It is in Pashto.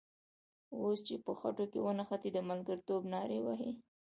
اوس چې په خټو کې ونښتې د ملګرتوب نارې وهې.